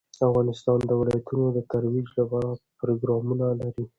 افغانستان د ولایتونو د ترویج لپاره پروګرامونه لري.